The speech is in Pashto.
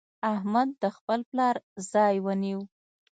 احمد د خپل پلار ځای ونيو.